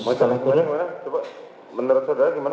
menurut saudara gimana